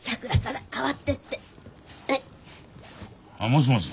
もしもし？